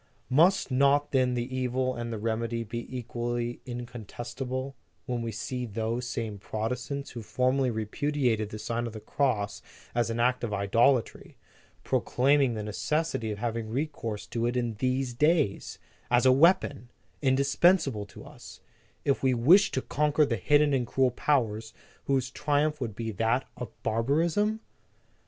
Must not then the evil and the remedy be Preface to the Second Edition. 15 equally incontestable, when we see those same Protestants who formerly repudiated the sign of the cross as an act of idolatry, proclaiming the necessity of having recourse to it in these days, as a weapon, indispensable to us, if we wish to conquer the hidden and cruel powers, whose triumph would be that of barbarism?